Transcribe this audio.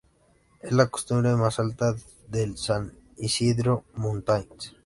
Es la cumbre más alta del San Ysidro Mountains.